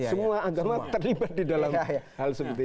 semua antara anda terlibat di dalam hal seperti itu